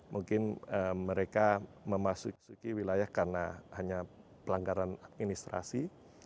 mungkin mereka memasuki wilayah karena hanya pelanggaran administrasi